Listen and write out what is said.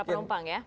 para penumpang ya